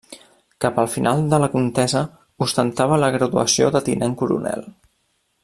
Cap al final de la contesa ostentava la graduació de tinent coronel.